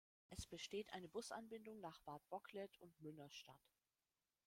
Es besteht eine Busanbindung nach Bad Bocklet und Münnerstadt.